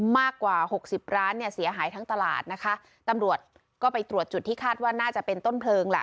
มากกว่าหกสิบร้านเนี่ยเสียหายทั้งตลาดนะคะตำรวจก็ไปตรวจจุดที่คาดว่าน่าจะเป็นต้นเพลิงแหละ